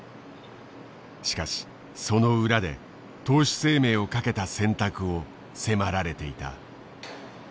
しかしその裏で投手生命をかけた選択を迫られていた。